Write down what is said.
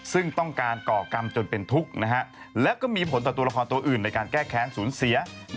ซึ่งต้องการก่อกรรมจนเป็นทุกข์และก็มีผลต่อตัวละครตัวอื่นในการแก้แค้นสูญเสีย